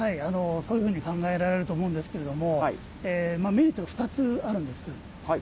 そういうふうに考えられると思うんですけれどもメリットが２つあるんです。